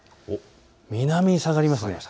南に下がりますね。